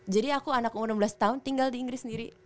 jadi aku anak umur enam belas tahun tinggal di inggris sendiri